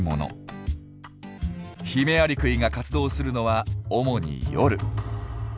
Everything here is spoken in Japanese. ヒメアリクイが活動するのは主に夜。